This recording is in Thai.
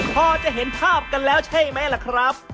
พอจะเห็นภาพกันแล้วใช่ไหมล่ะครับ